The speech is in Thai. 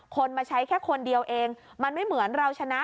มาใช้แค่คนเดียวเองมันไม่เหมือนเราชนะ